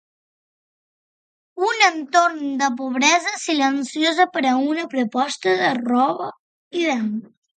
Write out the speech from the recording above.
Un entorn de pobresa silenciosa per a una proposta de roba ídem.